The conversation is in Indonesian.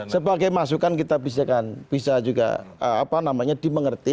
sebagai masukan kita bisa juga dimengerti